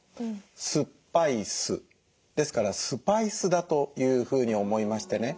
酸っぱい酢ですからスパイ酢だというふうに思いましてね